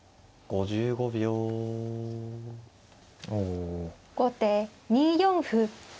後手２四歩。